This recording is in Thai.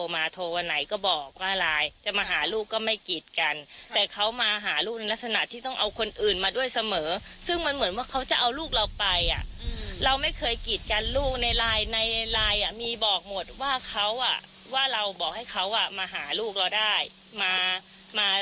ไม่เคยกิดกันลูกในไลน์มีบอกหมดว่าเราบอกให้เขามาหาลูกเราได้